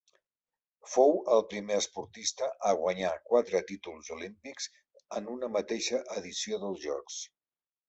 Fou el primer esportista a guanyar quatre títols olímpics en una mateixa edició dels Jocs.